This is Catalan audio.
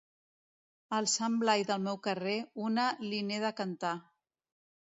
Al sant Blai del meu carrer, una li n'he de cantar.